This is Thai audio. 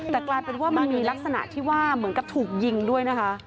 แต่กลายเป็นว่ามันมีลักษณะที่ว่าเหมือนกับถูกยิงด้วยนะคะ